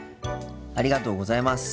ありがとうございます。